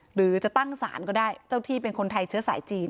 หรือจะตั้งศาลก็ได้เจ้าที่เป็นคนไทยเชื้อสายจีน